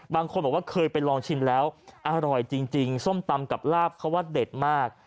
บางคนบอกว่าเคยไปลองชิมแล้วอร่อยจริงส้มตำกับลาบเขาว่าเด็ดมาก